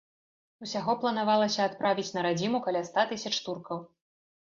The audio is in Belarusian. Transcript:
Усяго планавалася адправіць на радзіму каля ста тысяч туркаў.